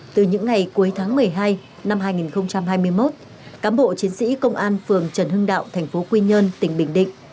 từ những ngày cuối tháng một mươi hai năm hai nghìn hai mươi một cán bộ chiến sĩ công an phường trần hưng đạo thành phố quy nhơn tỉnh bình định